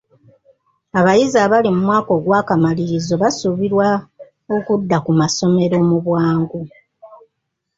Abayizi abali mu mwaka ogw'akamalirizo basuubirwa okudda ku masomero mu bwangu.